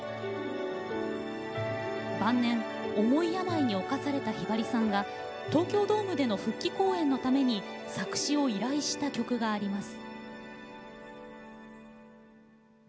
晩年、重い病に侵されたひばりさんが東京ドームでの復帰公演のために作詞を依頼した曲があります。